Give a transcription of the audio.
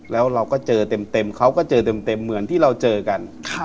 แล้วเราก็เจอเต็มเขาก็เจอเต็มเหมือนที่เราเจอกัน